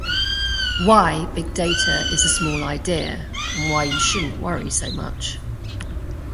Why Big Data is a Small Idea: And why you shouldn't worry so much.